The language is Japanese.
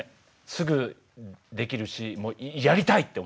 すぐできるしやりたいって思った。